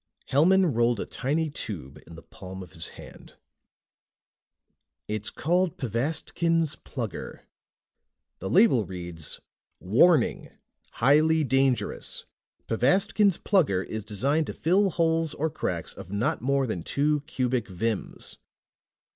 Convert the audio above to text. Hellman rolled a tiny tube in the palm of his hand. "It's called Pvastkin's Plugger. The label reads: WARNING! HIGHLY DANGEROUS! PVASTKIN'S PLUGGER IS DESIGNED TO FILL HOLES OR CRACKS OF NOT MORE THAN TWO CUBIC VIMS.